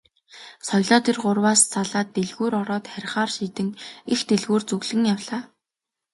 Соёлоо тэр гурваас салаад дэлгүүр ороод харихаар шийдэн их дэлгүүр зүглэн явлаа.